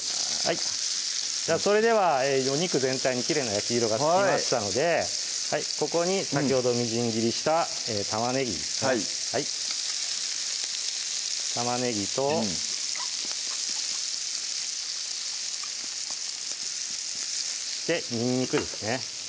それではお肉全体にきれいな焼き色がつきましたのでここに先ほどみじん切りした玉ねぎ玉ねぎとにんにくですね